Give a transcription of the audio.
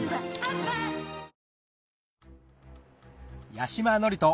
八嶋智人